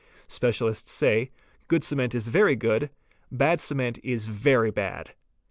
Specialists say, 'Good cement is very — good; bad cement is very bad."